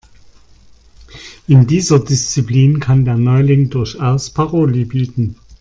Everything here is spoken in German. In dieser Disziplin kann der Neuling durchaus Paroli bieten.